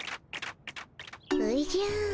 おじゃ！